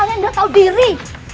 kalian udah tau diri